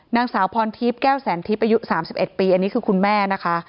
นางสาวพรทีพแก้วแสนทีพอายุสามสิบเอ็ดปีอันนี้คือคุณแม่นะคะ